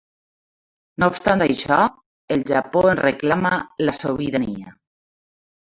No obstant això, el Japó en reclama la sobirania.